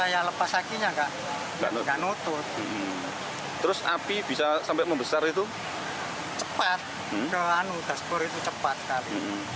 jalan dasbur itu cepat sekali